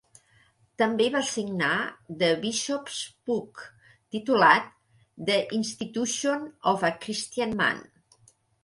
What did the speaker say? També va signar The bishops' book, titulat "The Institution of a Christian Man".